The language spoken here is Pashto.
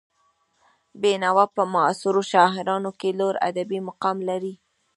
بېنوا په معاصرو شاعرانو کې لوړ ادبي مقام لري.